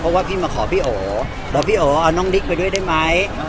เพราะว่าพี่มาขอพี่โอบอกพี่โอเอาน้องดิ๊กไปด้วยได้ไหม